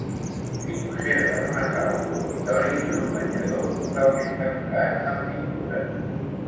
S'hi conserven una sala dormitori i un menjador totalment decorat amb pintures.